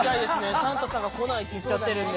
サンタさんが来ないって言っちゃってるんで。